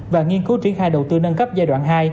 và nghiên cứu triển khai đầu tư nâng cấp giai đoạn hai